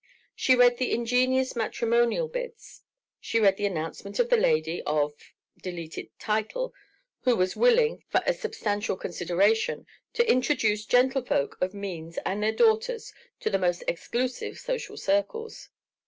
She read the ingenuous matrimonial bids. She read the announcement of the lady of (deleted) title who was willing, for a substantial consideration, to introduce gentlefolk of means and their daughters to the most exclusive social circles.